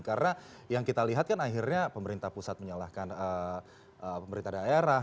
karena yang kita lihat kan akhirnya pemerintah pusat menyalahkan pemerintah daerah